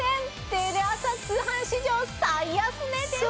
テレ朝通販史上最安値です！